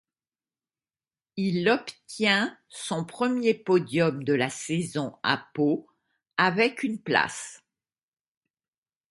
Il obtient son premier podium de la saison à Pau, avec une place.